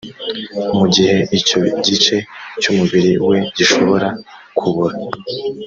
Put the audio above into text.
mu gihe icyo gice cy umubiri we gishobora kubora